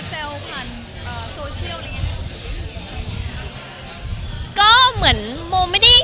มันคิดว่าจะเป็นรายการหรือไม่มี